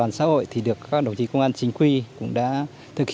và nắm tình hình